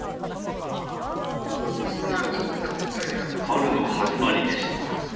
春の始まりでした。